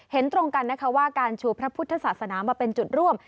เห็นตรงกันนะคะว่าการชูพระพุทธศาสนามาเป็นจุดร่วม